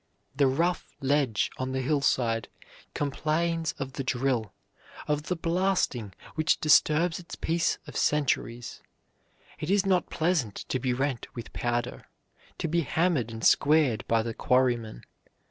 The rough ledge on the hillside complains of the drill, of the blasting which disturbs its peace of centuries: it is not pleasant to be rent with powder, to be hammered and squared by the quarryman.